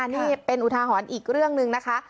นี่เป็นอุทาหรณ์อีกเรื่องหนึ่งนะคะ